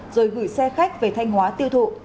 rồi gửi xe khách về thanh hóa tiêu thụ